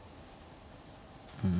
うん。